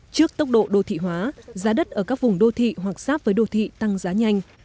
trước tốc độ đô thị hóa giá đất ở các vùng đô thị hoặc sáp với đô thị tăng giá nhanh